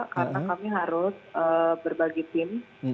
karena kami harus berbagi tim